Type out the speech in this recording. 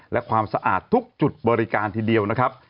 และความสะอาดทุกจุดบริการทีเดียวนะครับ